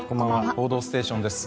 「報道ステーション」です。